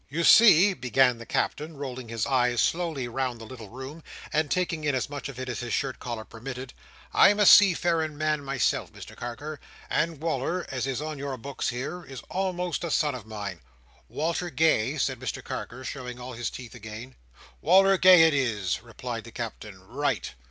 "You see," began the Captain, rolling his eyes slowly round the little room, and taking in as much of it as his shirt collar permitted; "I'm a seafaring man myself, Mr Carker, and Wal"r, as is on your books here, is almost a son of mine." "Walter Gay?" said Mr Carker, showing all his teeth again. "Wal"r Gay it is," replied the Captain, "right!"